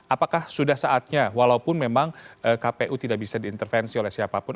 apakah sudah saatnya walaupun memang kpu tidak bisa diintervensi oleh siapapun